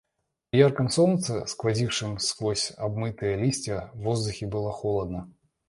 При ярком солнце, сквозившем сквозь обмытые листья, в воздухе было холодно.